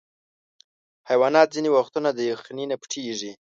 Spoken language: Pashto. حیوانات ځینې وختونه د یخني نه پټیږي.